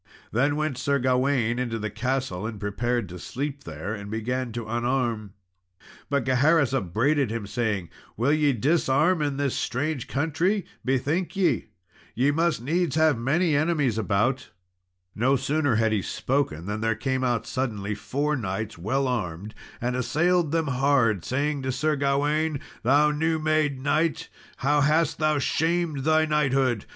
Then went Sir Gawain into the castle, and prepared to sleep there and began to unarm; but Gaheris upbraided him, saying, "Will ye disarm in this strange country? bethink ye, ye must needs have many enemies about." No sooner had he spoken than there came out suddenly four knights, well armed, and assailed them hard, saying to Sir Gawain, "Thou new made knight, how hast thou shamed thy knighthood!